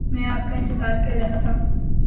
میں آپ کا انتظار کر رہا تھا۔